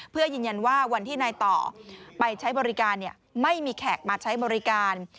เพื่อยืนยันว่าวันที่นายต่อไปใช้บริการไม่มีแขกมาใช้บริการ